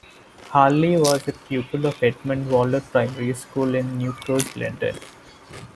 Harley was a pupil of Edmund Waller Primary School in New Cross, London.